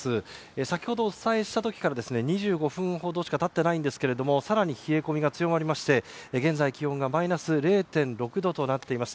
先ほどお伝えした時から２５分ほどしか経っていませんが更に冷え込みが強まりまして現在、気温がマイナス０．６度となっています。